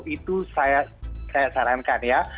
itu saya sarankan ya